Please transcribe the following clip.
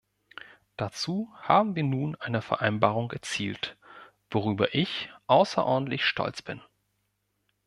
Dazu haben wir nun eine Vereinbarung erzielt, worüber ich außerordentlich stolz bin.